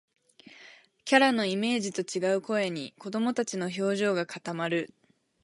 キャラのイメージと違う声に、子どもたちの表情が固まる